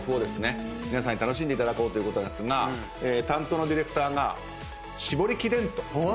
皆さんに楽しんでいただこうということですが担当ディレクターが「絞り切れん」と。